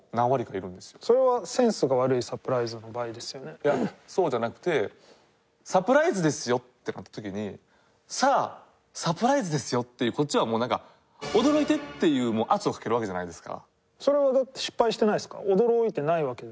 いやそうじゃなくて「サプライズですよ」ってなった時に「さあサプライズですよ」ってこっちはもうなんか「驚いて！」っていう圧をかけるわけじゃないですか。